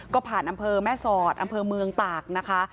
ก็ผ่านอำเภอแม่สอดอำเภอเมืองตากนะคะ